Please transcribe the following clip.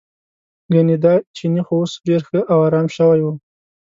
ګنې دا چینی خو اوس ډېر ښه او ارام شوی و.